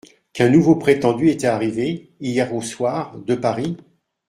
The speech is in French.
Qu’un nouveau prétendu était arrivé, hier au soir, de Paris ?